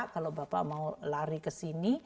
kalau bapak mau lari ke sini